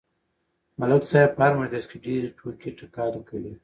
ملک صاحب په هر مجلس کې ډېرې ټوقې ټکالې کوي.